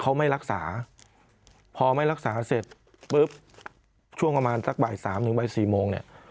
เขาไม่รักษาพอไม่รักษาเสร็จปุ๊บช่วงประมาณสักบ่ายสามถึงบ่ายสี่โมงเนี่ย